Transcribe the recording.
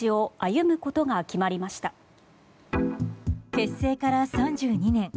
結成から３２年。